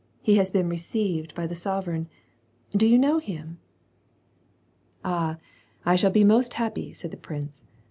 He has been received by the sovereign. Do you know him ?" 4 WAR AND PEACE. "All I I shall be most happy," said the prince.